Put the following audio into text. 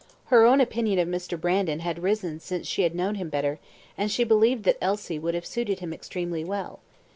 Her own opinion of Mr. Brandon had risen since she had known him better, and she believed that Elsie would have suited him extremely well.